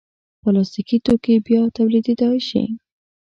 پلاستيکي توکي بیا تولیدېدای شي.